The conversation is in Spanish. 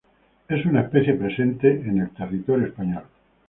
Es una especie presente en territorio español.